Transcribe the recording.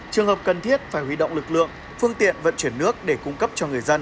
trường hợp cần thiết phải huy động lực lượng phương tiện vận chuyển nước để cung cấp cho người dân